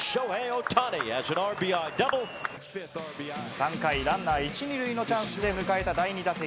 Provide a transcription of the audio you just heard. ３回ランナー１塁２塁のチャンスで迎えた第２打席。